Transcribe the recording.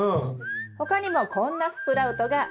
他にもこんなスプラウトがあります。